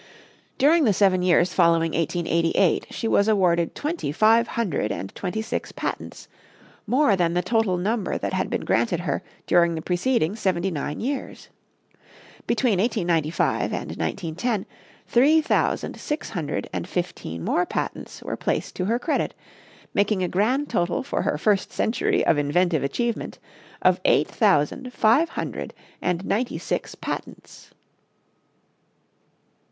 During the seven years following 1888 she was awarded twenty five hundred and twenty six patents more than the total number that had been granted her during the preceding seventy nine years. Between 1895 and 1910, three thousand six hundred and fifteen more patents were placed to her credit, making a grand total for her first century of inventive achievement of eight thousand five hundred and ninety six patents.